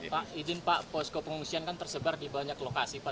pak izin pak posko pengungsian kan tersebar di banyak lokasi pak